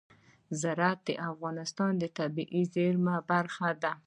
زراعت د افغانستان د طبیعي زیرمو برخه ده.